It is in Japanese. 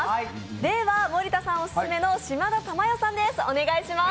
では森田さんオススメの島田珠代さんです、お願いします。